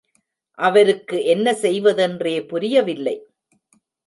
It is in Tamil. அவருக்கு என்ன செய்வதென்றே புரியவில்லை.